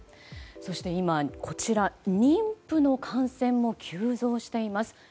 そして今、妊婦の感染も急増しています。